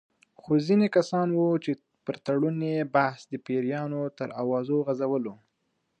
خو ځینې کسان وو چې پر تړون یې بحث د پیریانو تر اوازو غـځولو.